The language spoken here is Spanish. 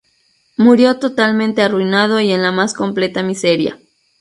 Murió totalmente arruinado y en la más completa miseria.